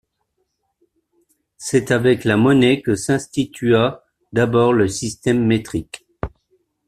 C'est avec la monnaie que s'institua d'abord le système métrique.